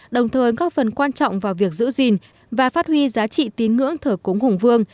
đồng thời góp phần quan trọng vào việc giữ gìn và phát huy giá trị tín ngưỡng thờ cúng hùng vương